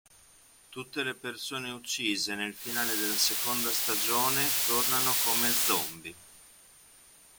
Tutte le persone uccise nel finale della seconda stagione tornano come zombie.